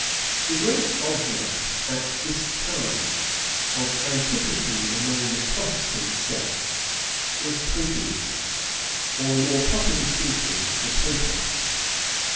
The great object, at this time, of antipathy among the Protestant sects was Popery, or, more properly, speaking, the Papists.